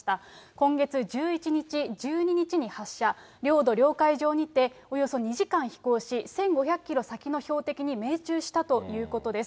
今月１１日、１２日に発射、領土領海上にて、およそ２時間飛行し、１５００キロ先の標的に命中したということです。